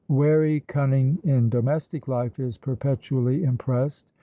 Wary cunning in domestic life is perpetually impressed.